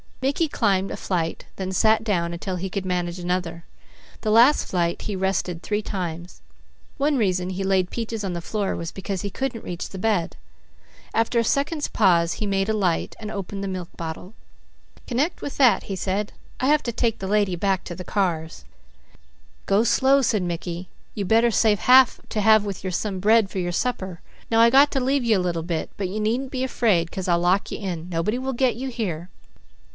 Mickey climbed a flight, then sat down until he could manage another. The last flight he rested three times. One reason he laid Peaches on the floor was because he couldn't reach the bed. After a second's pause he made a light, and opened the milk bottle. "Connect with that," he said. "I got to take the lady back to the cars." "Oh!" cried the connected child. "Oh Mickey, how good!" "Go slow!" said Mickey. "You better save half to have with some bread for your supper. Now I got to leave you a little bit, but you needn't be afraid, 'cause I'll lock you in. Nobody will 'get' you here."